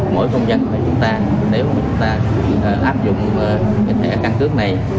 mỗi công dân của chúng ta nếu chúng ta áp dụng cái thẻ căn cước này